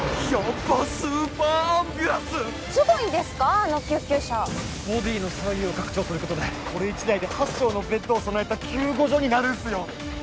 あの救急車ボディの左右を拡張することでこれ１台で８床のベッドを備えた救護所になるんすよ！